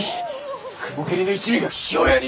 雲霧の一味が桔梗屋に？